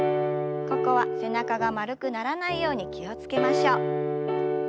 ここは背中が丸くならないように気を付けましょう。